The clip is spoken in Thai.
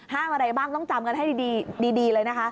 อะไรบ้างต้องจำกันให้ดีเลยนะคะ